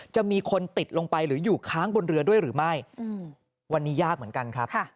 จะมีคนติดลงไปหรืออยู่ค้างบนเรือด้วยหรือไม่วันนี้ยากเหมือนกันครับ